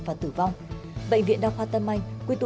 và rút ngắn thời gian điều trị